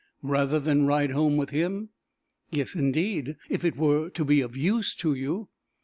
"Rather than ride home with him?" "Yes, indeed, if it were to be of use to you!"